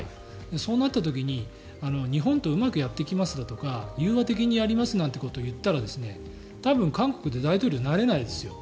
そうなった時、日本とうまくやっていきますだとか融和的にやりますなんてことを言ったら多分、韓国で大統領になれないですよ。